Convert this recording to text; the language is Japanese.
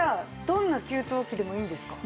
どんな給湯器でもいいんですか？